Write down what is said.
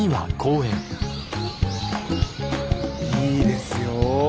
いいですよ